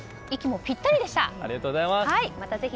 息もぴったりでした。